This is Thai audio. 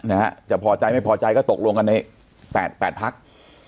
นะฮะจะพอใจไม่พอใจก็ตกลงกันในแปดแปดพัก